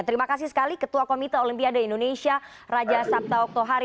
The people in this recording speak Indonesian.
terima kasih sekali ketua komite olimpiade indonesia raja sabta oktohari